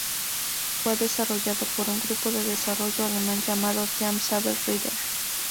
Fue desarrollado por un grupo de desarrollo alemán llamado "Team Saber Rider".